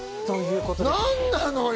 何なのよ！